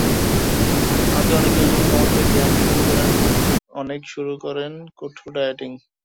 আমাদের অনেকে ওজন কমাতে ব্যায়াম শুরু করেন, অনেকে শুরু করেন কঠোর ডায়েটিং।